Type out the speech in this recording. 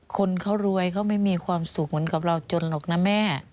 คนเขารวยเขาไม่มีความสุขเหมือนกับเราจนหรอกนะแม่